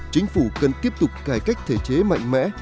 chính phủ cần tiếp tục cải cách thể chế mạnh mẽ